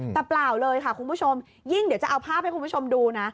แต่เปล่าเลยค่ะคุณผู้ชมยิ่งเดี๋ยวจะเอาภาพให้คุณผู้ชมดูนะ